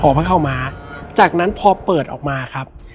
ห่อผ้าข่าวม้าจากนั้นพอเปิดออกมาครับ